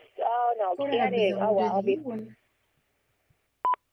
Ur ɛebbdeɣ ula d yiwen.